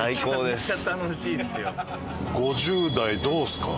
５０代どうですか？